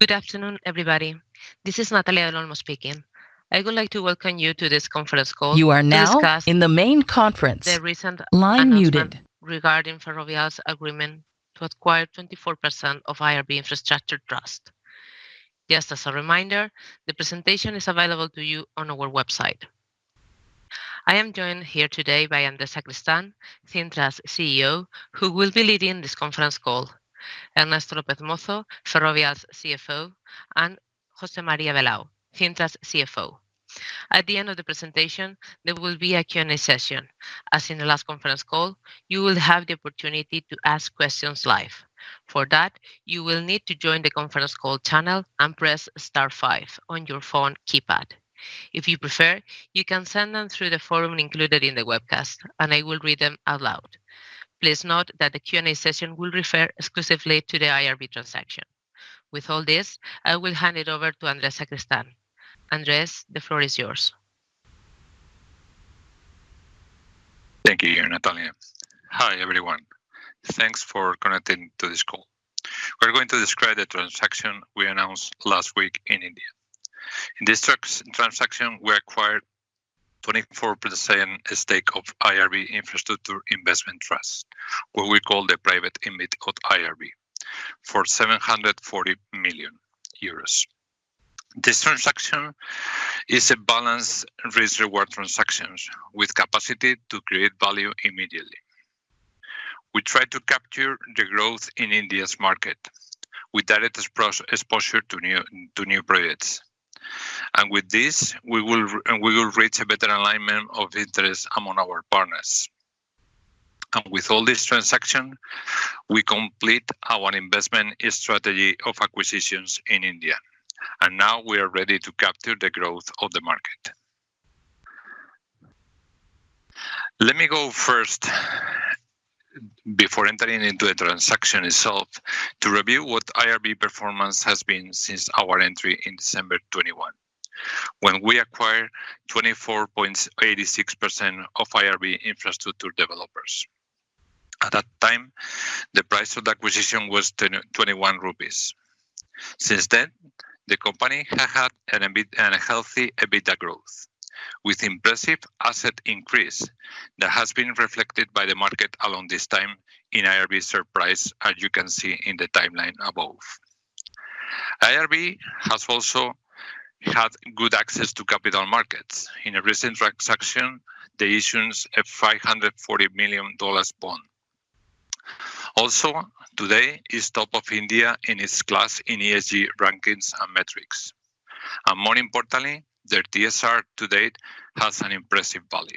Good afternoon, everybody. This is Natalia Olmos speaking. I would like to welcome you to this conference call. You are now in the main conference. Line muted. The recent announcement regarding Ferrovial's agreement to acquire 24% of IRB Infrastructure Trust. Just as a reminder, the presentation is available to you on our website. I am joined here today by Andrés Sacristán, Cintra's CEO, who will be leading this conference call, Ernesto López Mozo, Ferrovial's CFO, and José María Béjar, Cintra's CFO. At the end of the presentation, there will be a Q&A session. As in the last conference call, you will have the opportunity to ask questions live. For that, you will need to join the conference call channel and press star five on your phone keypad. If you prefer, you can send them through the forum included in the webcast, and I will read them out loud. Please note that the Q&A session will refer exclusively to the IRB transaction. With all this, I will hand it over to Andrés Sacristán. Andrés, the floor is yours. Thank you, Natalia. Hi, everyone. Thanks for connecting to this call. We're going to describe the transaction we announced last week in India. In this transaction, we acquired 24% stake of IRB Infrastructure Investment Trust, what we call the private InvIT called IRB, for 740 million euros. This transaction is a balanced risk-reward transactions with capacity to create value immediately. We try to capture the growth in India's market with direct exposure to new projects. And with this, we will and we will reach a better alignment of interests among our partners. And with all this transaction, we complete our investment strategy of acquisitions in India, and now we are ready to capture the growth of the market. Let me go first, before entering into the transaction itself, to review what IRB performance has been since our entry in December 2021, when we acquired 24.86% of IRB Infrastructure Developers. At that time, the price of the acquisition was 21 rupees. Since then, the company has had an EBITDA, a healthy EBITDA growth, with impressive asset increase that has been reflected by the market along this time in IRB share price, as you can see in the timeline above. IRB has also had good access to capital markets. In a recent transaction, they issued a $540 million bond. Also, today, is top of India in its class in ESG rankings and metrics. And more importantly, their TSR to date has an impressive value.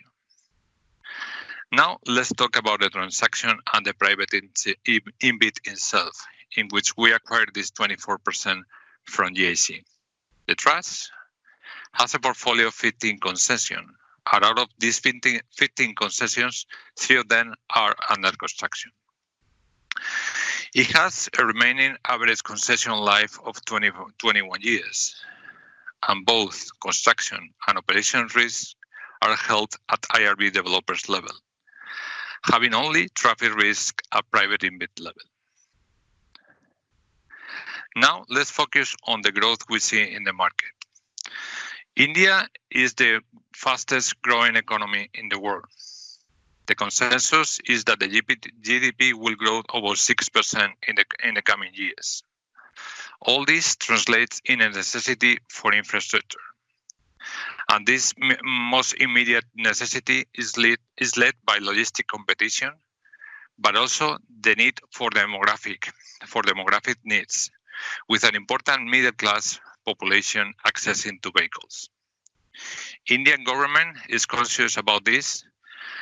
Now, let's talk about the transaction and the private InvIT itself, in which we acquired this 24% from GIC. The trust has a portfolio of 15 concessions, and out of these 15 concessions, three of them are under construction. It has a remaining average concessional life of 21 years, and both construction and operation risks are held at IRB Developers level, having only traffic risk at private InvIT level. Now, let's focus on the growth we see in the market. India is the fastest growing economy in the world. The consensus is that the GDP will grow over 6% in the coming years. All this translates in a necessity for infrastructure, and this most immediate necessity is led by logistic competition, but also the need for demographic needs, with an important middle-class population accessing to vehicles. Indian government is conscious about this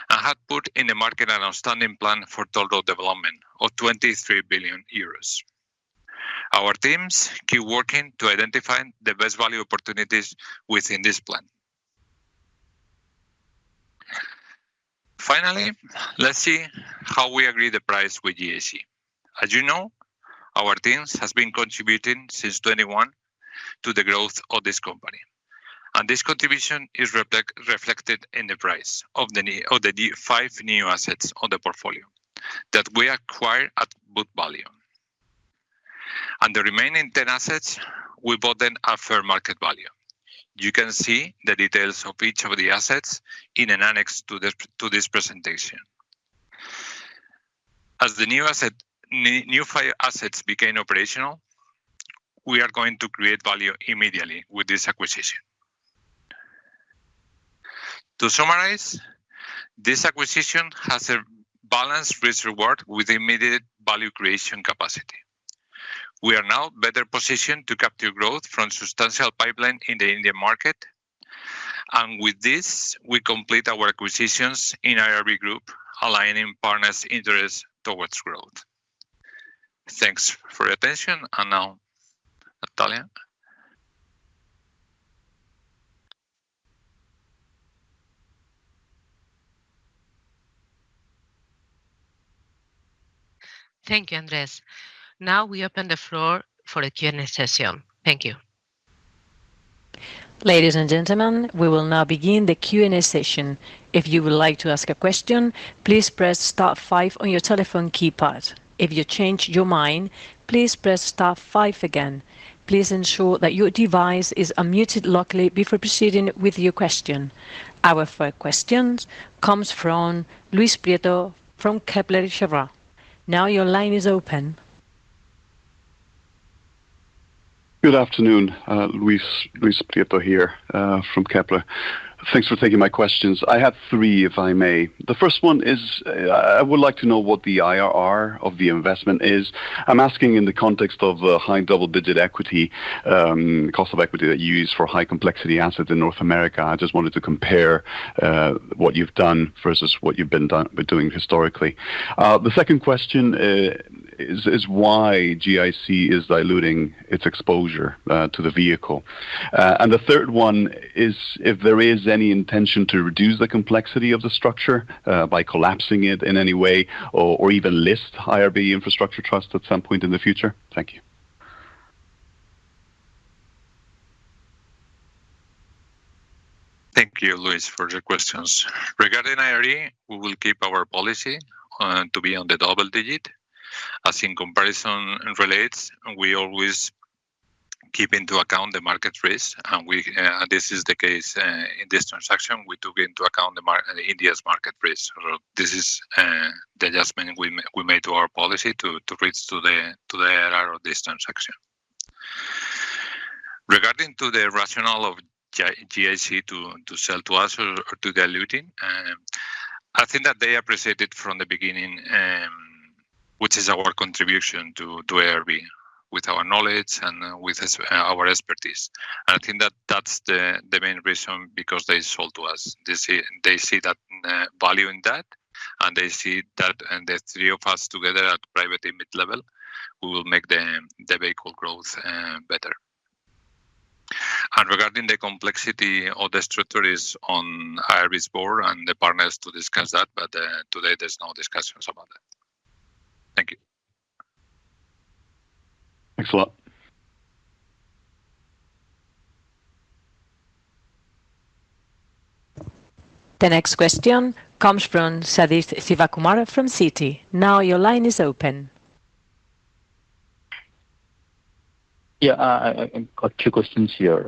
and had put in the market an outstanding plan for total development of 23 billion euros. Our teams keep working to identify the best value opportunities within this plan. Finally, let's see how we agree the price with GIC. As you know, our teams has been contributing since 2021 to the growth of this company, and this contribution is reflected in the price of the new five assets on the portfolio that we acquired at good value. And the remaining ten assets, we bought them at fair market value. You can see the details of each of the assets in an annex to this presentation. As the new five assets became operational, we are going to create value immediately with this acquisition. To summarize, this acquisition has a balanced risk reward with immediate value creation capacity. We are now better positioned to capture growth from substantial pipeline in the Indian market, and with this, we complete our acquisitions in IRB group, aligning partners' interests towards growth. Thanks for your attention, and now, Natalia? Thank you, Andrés. Now, we open the floor for a Q&A session. Thank you. Ladies and gentlemen, we will now begin the Q&A session. If you would like to ask a question, please press star five on your telephone keypad. If you change your mind, please press star five again. Please ensure that your device is unmuted locally before proceeding with your question. Our first question comes from Luis Prieto from Kepler Cheuvreux. Now your line is open. Good afternoon, Luis. Luis Prieto here from Kepler. Thanks for taking my questions. I have three, if I may. The first one is, I would like to know what the IRR of the investment is. I'm asking in the context of high double-digit equity cost of equity that you use for high complexity assets in North America. I just wanted to compare what you've done versus what you've been doing historically. The second question is why GIC is diluting its exposure to the vehicle? And the third one is if there is any intention to reduce the complexity of the structure by collapsing it in any way or even list IRB Infrastructure Trust at some point in the future? Thank you. Thank you, Luis, for the questions. Regarding IRR, we will keep our policy to be on the double digit. As in comparison relates, we always keep into account the market risk, and we, this is the case in this transaction. We took into account the India's market risk. So this is the adjustment we made to our policy to reach to the IRR of this transaction. Regarding to the rationale of GIC to sell to us or to diluting, I think that they appreciated from the beginning, which is our contribution to IRB with our knowledge and with our expertise. And I think that that's the main reason, because they sold to us. They see, they see that value in that, and they see that, and the three of us together at private InvIT level, we will make the vehicle growth better. And regarding the complexity of the structures on IRB's board and the partners to discuss that, but today there's no discussions about that. Thank you. Thanks a lot. The next question comes from Sathish Sivakumar from Citi. Now your line is open. Yeah, I got two questions here.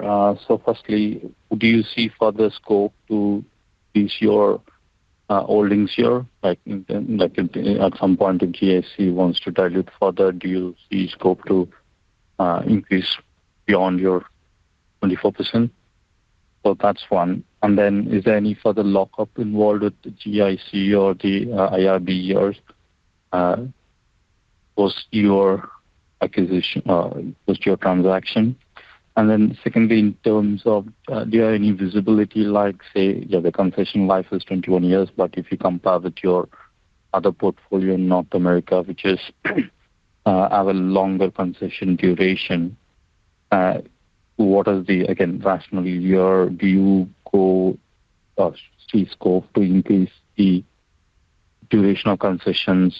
So firstly, do you see further scope to increase your holdings here? Like, at some point, if GIC wants to dilute further, do you see scope to increase beyond your 24%? So that's one. And then is there any further lock-up involved with the GIC or the IRB, or post your acquisition, post your transaction? And then secondly, in terms of, do you have any visibility like, say, yeah, the concession life is 21 years, but if you compare with your other portfolio in North America, which have a longer concession duration, what is the, again, rationally your view go or see scope to increase the durational concessions,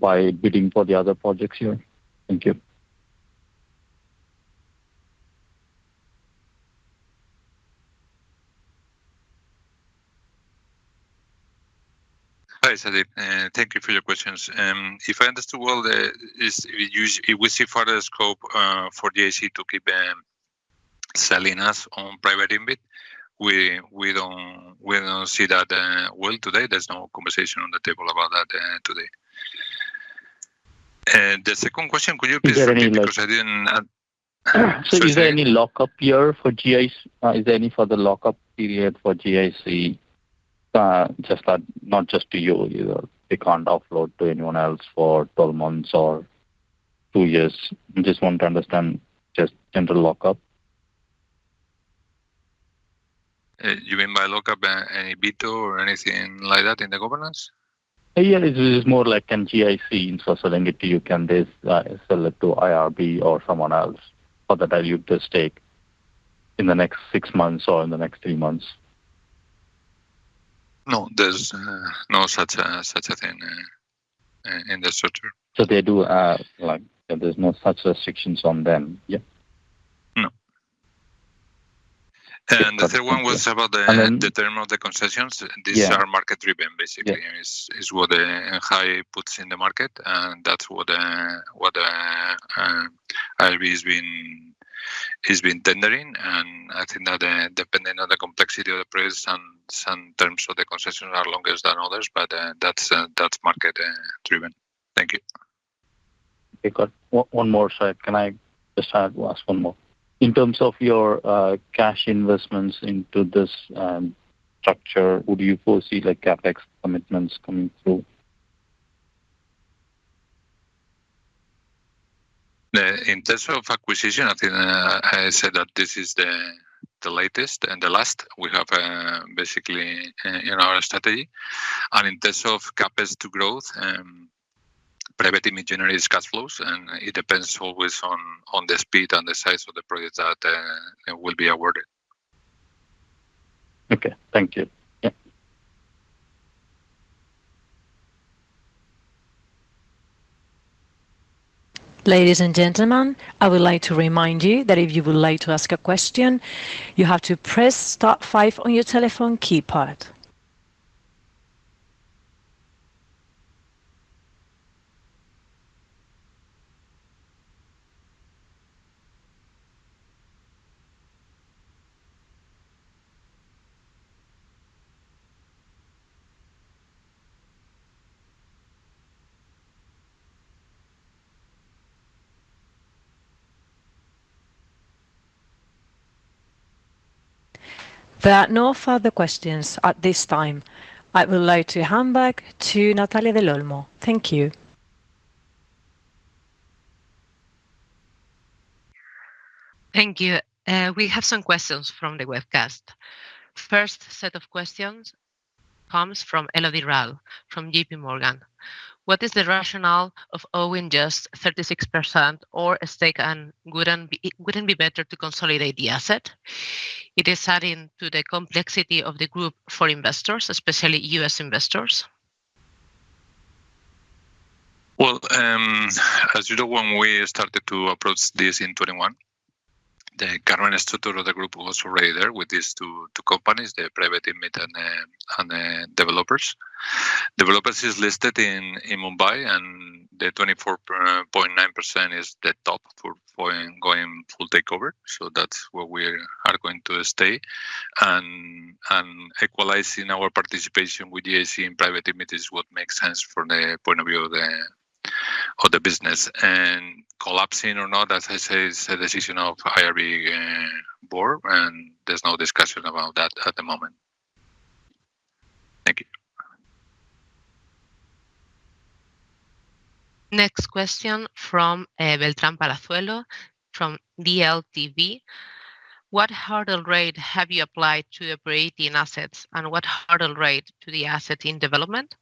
by bidding for the other projects here? Thank you. Hi, Sathish, thank you for your questions. If I understood well, if we see further scope for GIC to keep selling us on private InvIT, we don't see that well today. There's no conversation on the table about that today. The second question, could you please repeat? Yeah, any lock- Because I didn't... So is there any lock-up period for GIC? Is there any further lock-up period for GIC, just like not just to you either? They can't offload to anyone else for 12 months or 2 years. Just want to understand, just general lock-up. You mean by lock-up, any veto or anything like that in the governance? Yeah, it is more like in GIC, instead of selling it to you, can they sell it to IRB or someone else for the value at stake in the next six months or in the next three months? No, there's no such thing in the structure. They do have, like... There's no such restrictions on them. Yeah? No. And the third one was about the term of the concessions? Yeah. These are market-driven, basically. Yeah. It's what high bids in the market, and that's what IRB has been tendering. I think that, depending on the complexity of the project and some terms of the concession are longer than others, but that's market driven. Thank you. Okay, got one, one more side. Can I just ask one more? In terms of your cash investments into this structure, would you foresee, like, CapEx commitments coming through? In terms of acquisition, I think I said that this is the latest and the last we have, basically, in our strategy. And in terms of CapEx to growth, private InvIT is cash flows, and it depends always on the speed and the size of the projects that will be awarded. Okay. Thank you. Ladies and gentlemen, I would like to remind you that if you would like to ask a question, you have to press star five on your telephone keypad. There are no further questions at this time. I would like to hand back to Natalia Olmos. Thank you. Thank you. We have some questions from the webcast. First set of questions comes from Elodie Rall, from JPMorgan. What is the rationale of owning just 36% or a stake, and wouldn't be, wouldn't be better to consolidate the asset? It is adding to the complexity of the group for investors, especially U.S. investors? Well, as you know, when we started to approach this in 2021, the current structure of the group was already there with these two companies, the Private InvIT and the Developers. Developers is listed in Mumbai, and the 24.9% is the top for going full takeover. So that's where we are going to stay. And equalizing our participation with IRB and Private InvIT is what makes sense from the point of view of the business. And collapsing or not, as I say, is a decision of IRB board, and there's no discussion about that at the moment. Thank you. Next question from Beltrán Palazuelo from DLBB. What hurdle rate have you applied to the operating assets, and what hurdle rate to the asset in development?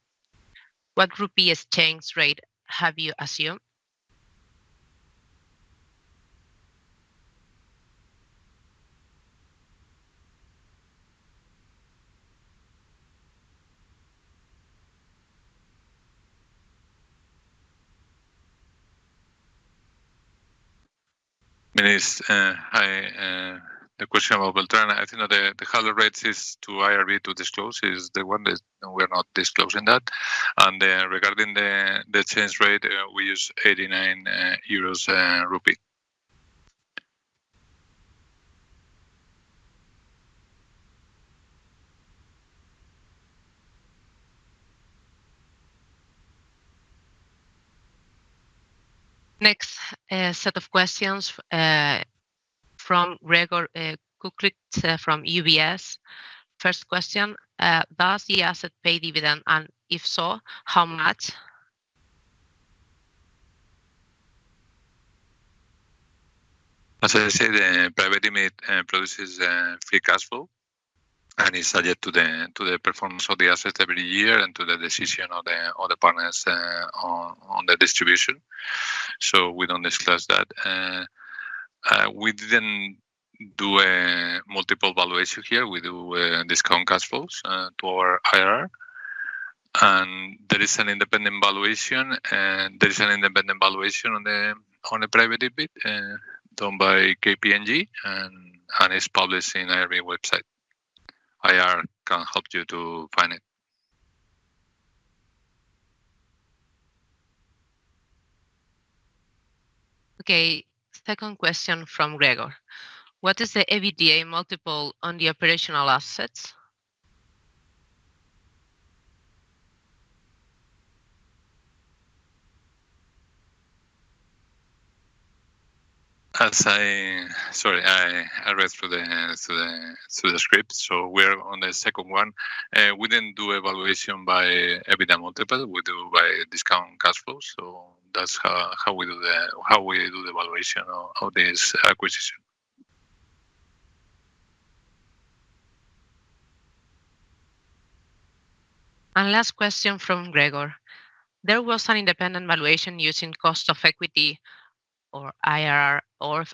What rupee exchange rate have you assumed? The question about Beltrán, I think the hurdle rates is to IRB to disclose is the one that we're not disclosing that. And, regarding the exchange rate, we use 89 rupee per euros Next, set of questions, from Gregor Kuglitsch from UBS. First question, does the asset pay dividend, and if so, how much? As I said, Private InvIT produces free cash flow, and it's subject to the, to the performance of the asset every year and to the decision of the, of the partners on, on the distribution. So we don't discuss that. We didn't do a multiple valuation here. We do discounted cash flows to our IRR. And there is an independent valuation, and there is an independent valuation on the, on the Private InvIT done by KPMG, and it's published in IRB website. IR can help you to find it. Okay, second question from Gregor: What is the EBITDA multiple on the operational assets? Sorry, I read through the script, so we're on the second one. We didn't do evaluation by EBITDA multiple. We do by discounted cash flow, so that's how we do the valuation of this acquisition. Last question from Gregor. There was an independent valuation using cost of equity or IRR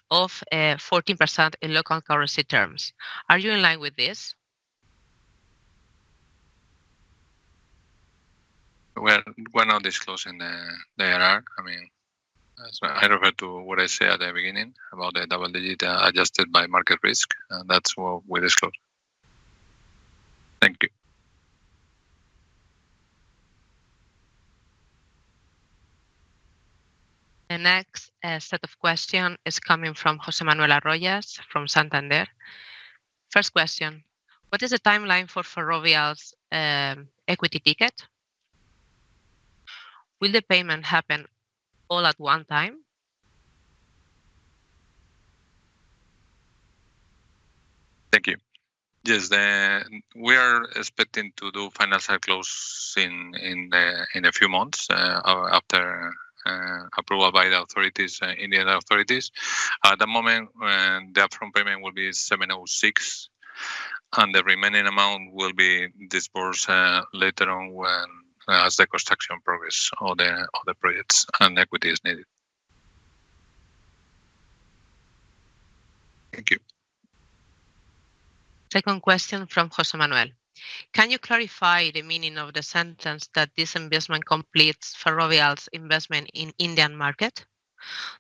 of 40% in local currency terms. Are you in line with this? We're not disclosing the IRR. I mean, as I refer to what I said at the beginning about the double digit adjusted by market risk, and that's what we disclose. Thank you. The next set of question is coming from José Manuel Arroyas from Santander. First question: What is the timeline for Ferrovial's equity ticket? Will the payment happen all at one time? Thank you. Yes, we are expecting to do financial close in a few months or after approval by the Indian authorities. At the moment, the upfront payment will be 706, and the remaining amount will be disbursed later on when as the construction progress on the projects and equity is needed. Second question from José Manuel. Can you clarify the meaning of the sentence that this investment completes Ferrovial's investment in Indian market?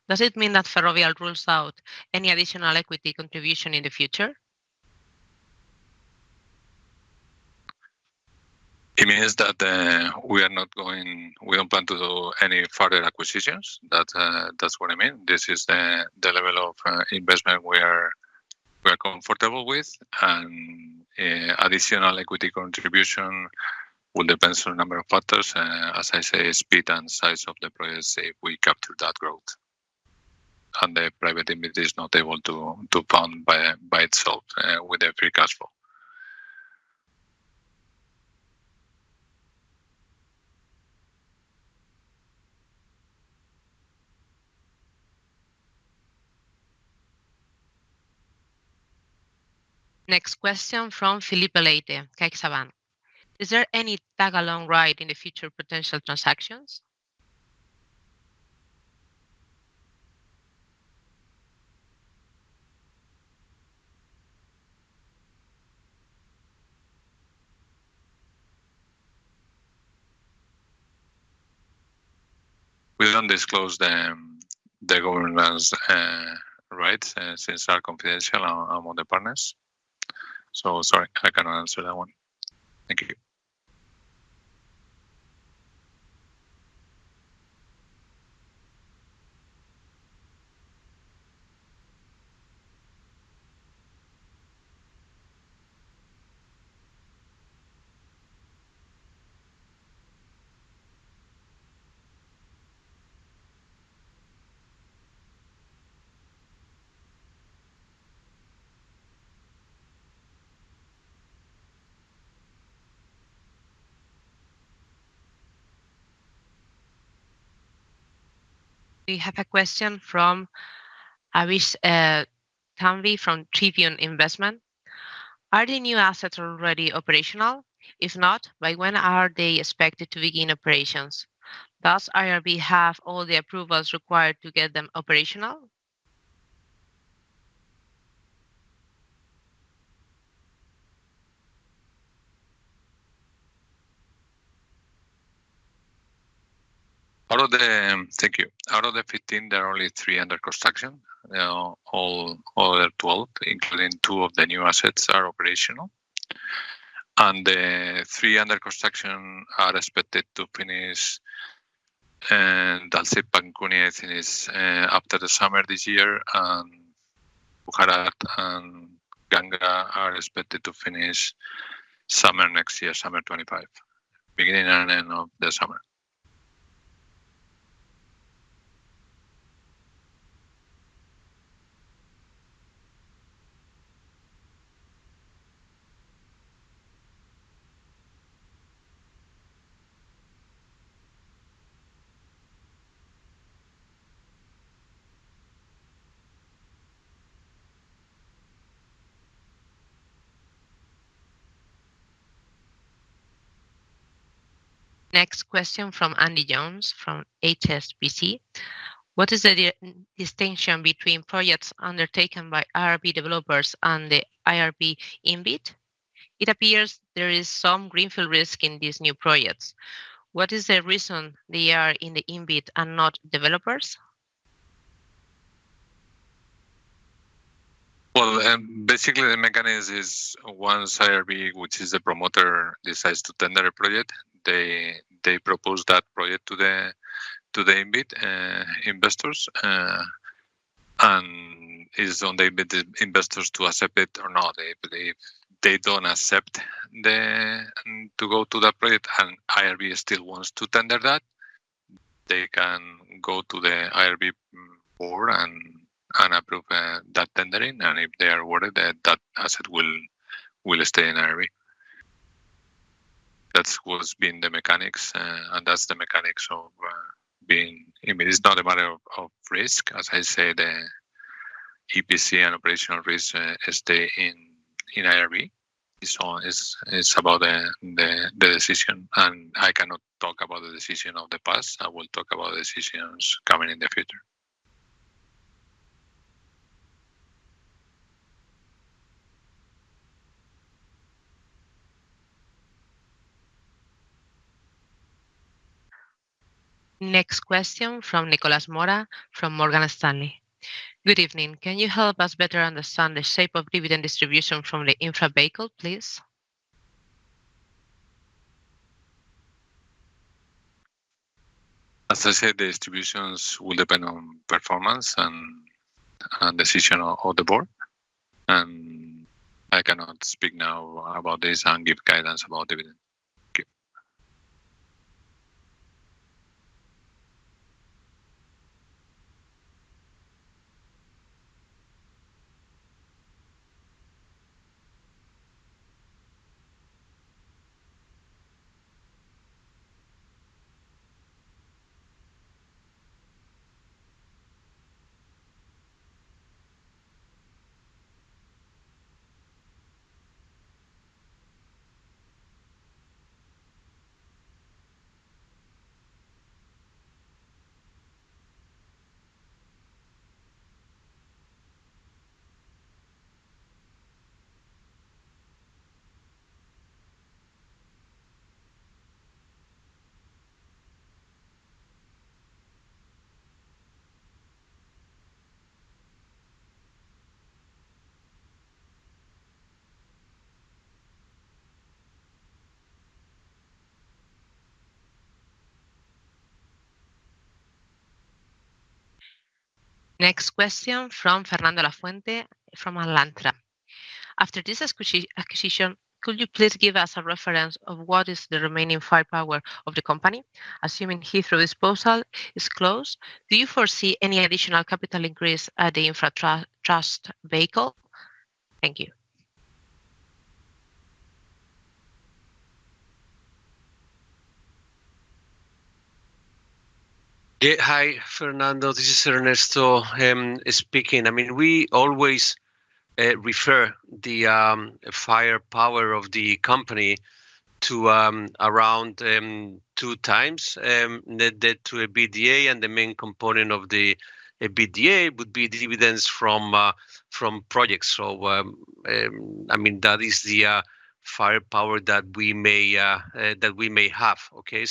Does it mean that Ferrovial rules out any additional equity contribution in the future? It means that, we are not going-- we don't plan to do any further acquisitions. That, that's what I mean. This is the, the level of, investment we are, we are comfortable with, and, additional equity contribution will depends on a number of factors. As I say, speed and size of the projects, if we capture that growth, and the private entity is not able to, to fund by, by itself, with the free cash flow. Next question from Filipe Leite, CaixaBank. Is there any tag-along right in the future potential transactions? We don't disclose the governance, right, since they're confidential among the partners. So sorry, I cannot answer that one. Thank you. We have a question from Avish Tanvi from Tribune Investment. Are the new assets already operational? If not, by when are they expected to begin operations? Does IRB have all the approvals required to get them operational? Thank you. Out of the 15, there are only three under construction. All other 12, including two of the new assets, are operational. And the three under construction are expected to finish, and I'll say Palsit Dankuni, I think, is after the summer this year, and Pathankot Mandi and Ganga Expressway are expected to finish summer next year, summer 2025. Beginning and end of the summer. Next question from Andy Jones, from HSBC. What is the distinction between projects undertaken by IRB developers and the IRB InvIT? It appears there is some greenfield risk in these new projects. What is the reason they are in the InvIT and not developers? Well, basically, the mechanism is once IRB, which is the promoter, decides to tender a project, they propose that project to the InvIT investors, and it's on the InvIT investors to accept it or not. If they don't accept the to go to the project, and IRB still wants to tender that, they can go to the IRB board and approve that tendering, and if they are awarded, then that asset will stay in IRB. That's what's been the mechanics, and that's the mechanics of being InvIT. It's not a matter of risk. As I said, the EPC and operational risk stay in IRB. It's all, it's about the decision, and I cannot talk about the decision of the past. I will talk about decisions coming in the future. Next question from Nicolas Mora, from Morgan Stanley. Good evening. Can you help us better understand the shape of dividend distribution from the infra vehicle, please? As I said, the distributions will depend on performance and decision of the board, and I cannot speak now about this and give guidance about dividend. Okay. Next question from Fernando Lafuente from Alantra. After this acquisition, could you please give us a reference of what is the remaining firepower of the company? Assuming Heathrow disposal is closed, do you foresee any additional capital increase at the infrastructure trust vehicle? Thank you. Yeah. Hi, Fernando, this is Ernesto speaking. I mean, we always refer the firepower of the company to around 2x net debt to EBITDA, and the main component of the EBITDA would be the dividends from projects. So, I mean, that is the firepower that we may have. Okay,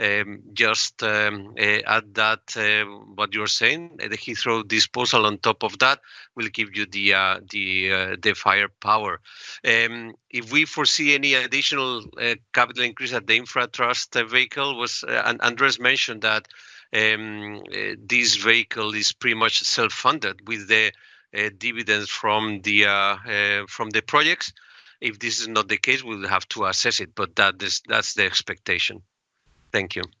so just add that what you're saying, the Heathrow disposal on top of that will give you the firepower. If we foresee any additional capital increase at the infra trust vehicle was... And Andrés mentioned that this vehicle is pretty much self-funded with the dividends from the projects. If this is not the case, we'll have to assess it, but that is- that's the expectation. Thank you.